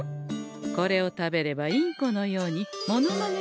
これを食べればインコのようにモノマネ